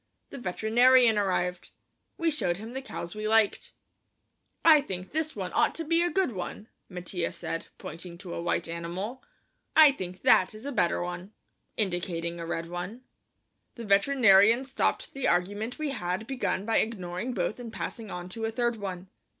The veterinarian arrived. We showed him the cows we liked. "I think this one ought to be a good one," Mattia said, pointing to a white animal. "I think that is a better one," I said, indicating a red one. The veterinarian stopped the argument we had begun by ignoring both and passing on to a third one.